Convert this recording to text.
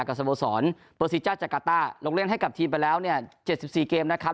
กับสะโบสรโปรซิจาจักราต้าลงเล่นให้กับทีมไปแล้ว๗๔เกมนะครับ